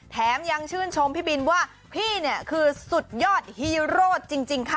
แถมยังชื่นชมพี่บินว่าพี่เนี่ยคือสุดยอดฮีโร่จริงค่ะ